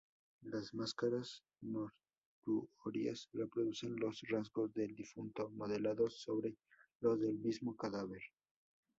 Las máscaras mortuorias reproducen los rasgos del difunto, modelados sobre los del mismo cadáver.